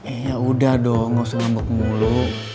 eh yaudah dong gak usah ngamuk mulu